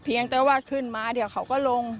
เพียงแต่ว่าขึ้นมาเดี๋ยวเขาก็ลง